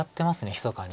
ひそかに。